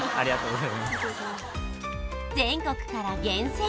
全国から厳選！